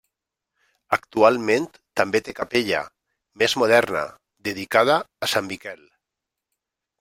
Actualment també té capella, més moderna, dedicada a sant Miquel.